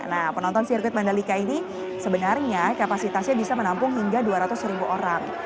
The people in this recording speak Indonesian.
nah penonton sirkuit mandalika ini sebenarnya kapasitasnya bisa menampung hingga dua ratus ribu orang